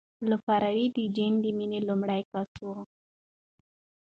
لفروی د جین د مینې لومړی کس و.